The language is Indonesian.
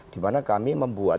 dimana kami membuat